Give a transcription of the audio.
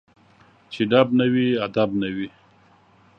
چي ډب نه وي ، ادب نه وي